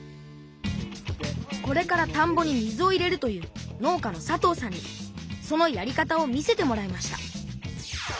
これからたんぼに水を入れるという農家の佐藤さんにそのやり方を見せてもらいました。